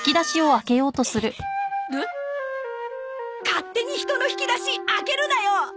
勝手に人の引き出し開けるなよ！